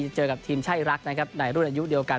จะเจอกับทีมช่ายอีรักษ์ในรุ่นอายุเดียวกัน